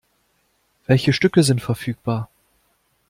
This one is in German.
Welche Stücke sind verfügbar?